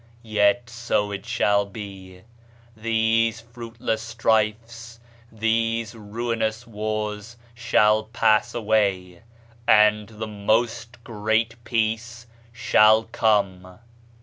.. Yet so it shall be ; these fruitless strifes, these ruinous wars shall pass away, and the ' Most Great Peace ' shall come.